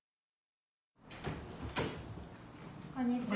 こんにちは。